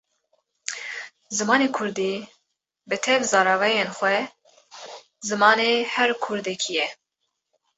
Zimanê Kurdî bi tev zaravayên xwe zimanê her Kurdekî ye.